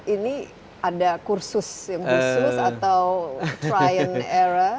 ini ada kursus ya kursus atau try and error